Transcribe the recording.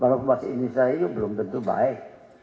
kalau bahasa indonesia itu belum tentu baik